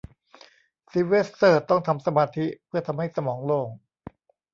ซิลเวสเตอร์ต้องทำสมาธิเพื่อทำให้สมองโล่ง